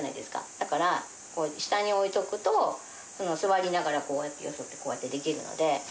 だから、下に置いとくと座りながらこうやってよそって、こうやってできるので。